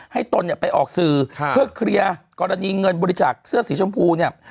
ตนเนี่ยไปออกสื่อเพื่อเคลียร์กรณีเงินบริจาคเสื้อสีชมพูเนี่ย